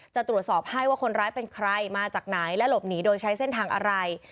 จะตรวจสอบให้ว่าคนร้ายเป็นใครมาจากไหนและหลบหนีโดยใช้เส้นทางอะไร